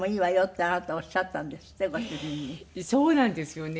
そうなんですよね。